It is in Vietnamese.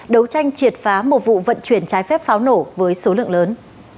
đấu tranh triệt phá một vụ vận chuyển trái phép pháo nổ với số lượng lớn